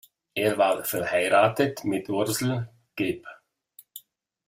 Er war verheiratet mit Ursel geb.